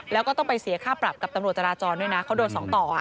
แล้วก็ต้องไปเสียค่าปรับกับตำรวจจราจรด้วยนะเขาโดน๒ต่อ